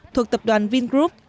thuộc tập đoàn vingroup